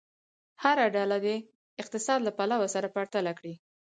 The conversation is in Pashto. هره ډله دې اقتصاد له پلوه سره پرتله کړي.